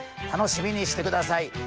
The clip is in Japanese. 楽しみにしてください。